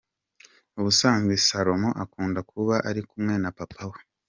Ubusanzwe Solomon akunda kuba ari kumwe na Papa we .